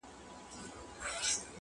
پرجوړي کړي دي باران او خټو خړي لاري٫